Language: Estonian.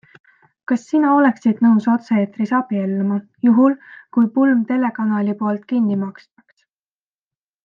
Kas sina oleksid nõus otse-eetris abielluma, juhul, kui pulm telekanali poolt kinni makstaks?